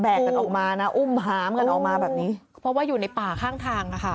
กันออกมานะอุ้มหามกันออกมาแบบนี้เพราะว่าอยู่ในป่าข้างทางค่ะ